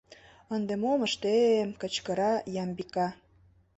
— Ынде мом ыште-эм?.. — кычкыра Ямбика.